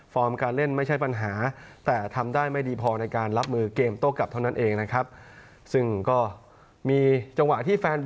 ฟอร์มการเล่นไม่ใช่ปัญหา